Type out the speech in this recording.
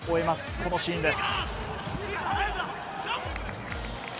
このシーンです。